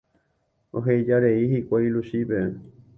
Ohejarei hikuái Luchípe.